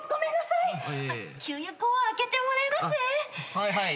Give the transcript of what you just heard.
はいはい。